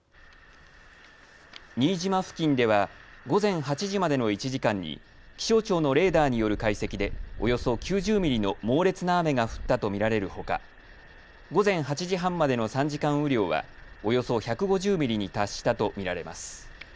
新島付近では午前８時までの１時間に気象庁のレーダーによる解析でおよそ９０ミリの猛烈な雨が降ったと見られるほか午前８時半までの３時間雨量はおよそ１５０ミリに達したと見られます。